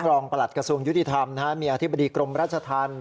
ประหลัดกระทรวงยุติธรรมมีอธิบดีกรมราชธรรม